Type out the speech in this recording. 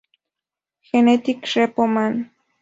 Genetic Repo Man